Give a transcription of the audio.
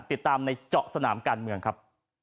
ติดตามในเจาะสนามการเมืองครับ